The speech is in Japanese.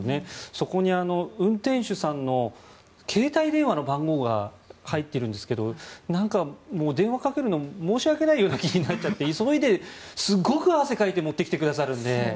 そこに運転手さんの携帯電話の番号が入っているんですけどなんか、電話かけるのが申し訳ないような気になっちゃって急いで、すごく汗かいて持ってきてくださるので。